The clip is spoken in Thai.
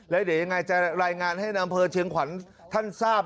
แล้วเดี๋ยวยังไงจะรายงานให้นำอำเภอเชียงขวัญท่านทราบ